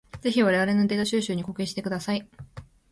ぜひ我々のデータ収集に貢献してください。